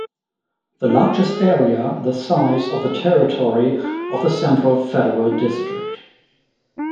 The largest area the size of the territory of the Central Federal District.